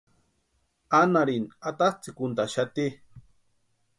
Anarini atatsʼïkuntʼaxati.